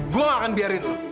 gue gak akan biarin lo